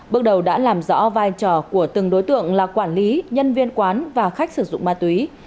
bước đầu đã làm rõ vai trò của từng đối tượng là quản lý nhân viên quán và khách sử dụng ma túy